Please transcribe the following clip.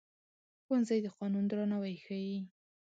ښوونځی د قانون درناوی ښيي